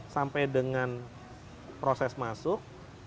sampai dengan proses masuk